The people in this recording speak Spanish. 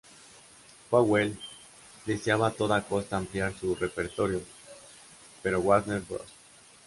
Powell deseaba a toda costa ampliar su repertorio, pero Warner Bros.